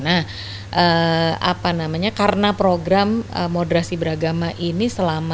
nah apa namanya karena program moderasi beragama ini selama